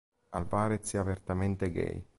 Alvarez è apertamente gay.